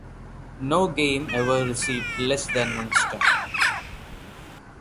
No game ever received less than one star.